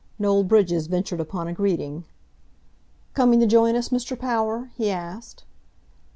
Noel Bridges ventured upon a greeting. "Coming to join us, Mr. Power?" he asked.